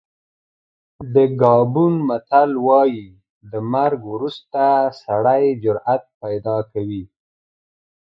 د ګابون متل وایي د مرګ وروسته سړی جرأت پیدا کوي.